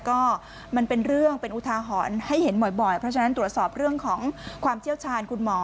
ก็มันเป็นเรื่องเป็นอุทาหรณ์ให้เห็นบ่อยเพราะฉะนั้นตรวจสอบเรื่องของความเชี่ยวชาญคุณหมอ